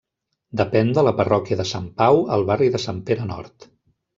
Depèn de la parròquia de Sant Pau, al barri de Sant Pere Nord.